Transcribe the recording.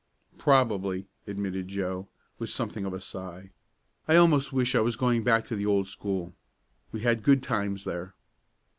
"Probably," admitted Joe, with something of a sigh. "I almost wish I was going back to the old school. We had good times there!"